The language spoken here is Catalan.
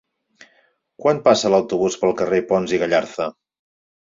Quan passa l'autobús pel carrer Pons i Gallarza?